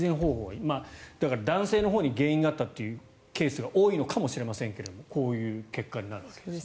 だから、男性のほうに原因があったというケースが多いのかもしれませんがこういう結果になるわけですね。